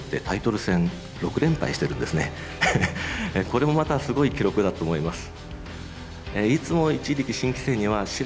これもまたすごい記録だと思います。